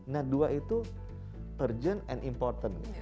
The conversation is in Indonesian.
nah dua itu urgent and important